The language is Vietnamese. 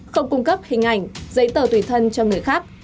không cung cấp hình ảnh giấy tờ tùy thân cho người khác